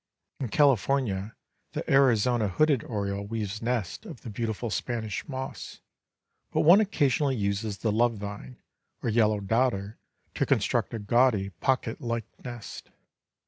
In California, the Arizona hooded oriole weaves nests of the beautiful Spanish moss; but one occasionally uses the love vine or yellow dodder to construct a gaudy, pocket like nest.